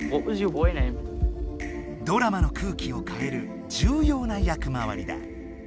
ドラマの空気をかえる重要な役まわりだ。